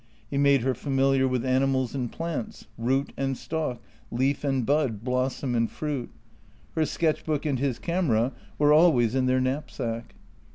He made her familiar with animals and plants — root and stalk, leaf and bud, blossom and fruit. Her sketch book and his camera were always in their knapsack.